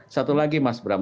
satu lagi mas bram